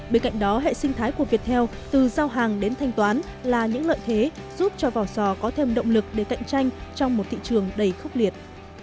bên cạnh đó hệ sinh thái của việt theo từ giao hàng đến thanh toán là những lợi thế giúp cho vò sò có thêm động lực để cạnh tranh trong một thị trường đầy khốc liệt